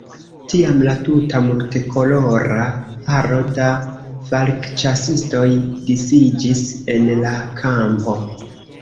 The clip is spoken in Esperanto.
Tiam la tuta multkolora aro da falkĉasistoj disiĝis en la kampo.